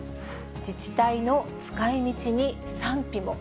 自治体の使いみちに賛否も。